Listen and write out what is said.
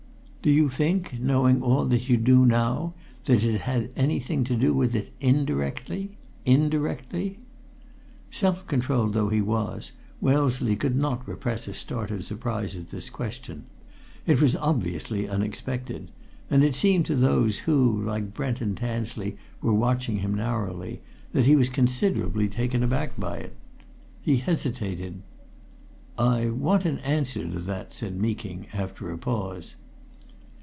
"Do you think, knowing all that you do now, that it had anything to do with it indirectly? Indirectly!" Self controlled though he was, Wellesley could not repress a start of surprise at this question. It was obviously unexpected and it seemed to those who, like Brent and Tansley, were watching him narrowly, that he was considerably taken aback by it. He hesitated. "I want an answer to that," said Meeking, after a pause.